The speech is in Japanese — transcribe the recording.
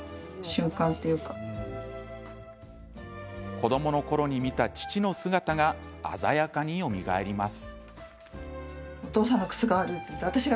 子どものころに見た父の姿が鮮やかによみがえります。